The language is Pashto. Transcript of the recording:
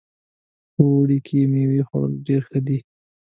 په اوړي کې میوې خوړل ډېر ښه ده